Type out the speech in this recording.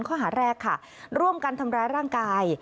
ข้อหาแรกค่ะร่วมกันทำร้ายร่างกาย